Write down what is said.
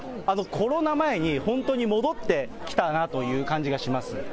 コロナ前に本当に戻ってきたなという感じがします。